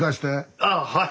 ああはい。